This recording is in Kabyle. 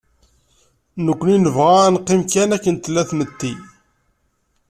Nekni nebɣa ad neqqim kan akken tella tmetti.